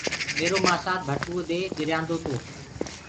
ميرو مآسآ ڀٽوئو دي ڏريآندو تو۔